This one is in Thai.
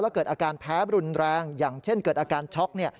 เกิดอาการแพ้รุนแรงอย่างเช่นเกิดอาการช็อกเนี่ย